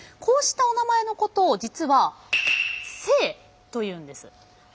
こうしたおなまえのことを実は姓というんです。